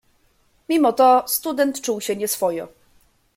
"Mimo to student czuł się nieswojo."